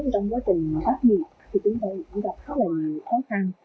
trong quá trình tác nghiệp chúng tôi cũng gặp rất là khó khăn